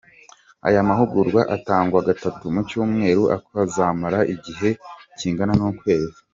Aya mahugurwa atangwa gatatu mu cyumweru akazamara igihe kingana n’ukwezi.